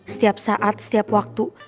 setiap saat setiap waktu